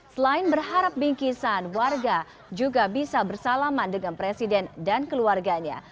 selain berharap bingkisan warga juga bisa bersalaman dengan presiden dan keluarganya